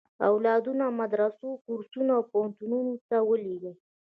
اولادونه مدرسو، کورسونو او پوهنتونونو ته ولېږي.